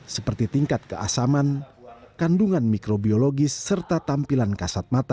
seperti tingkat keasaman kandungan mikrobiologis serta tampilan kasat mata